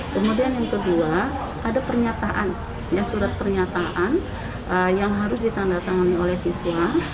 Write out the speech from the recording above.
kemudian yang kedua ada pernyataan surat pernyataan yang harus ditandatangani oleh siswa